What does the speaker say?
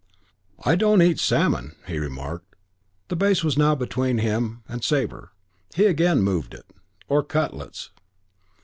"I don't eat salmon," he remarked. The vase was now between himself and Sabre. He again moved it, "Or cutlets."